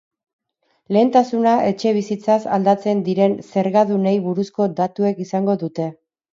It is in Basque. Lehentasuna etxebizitzaz aldatzen diren zergadunei buruzko datuek izango dute.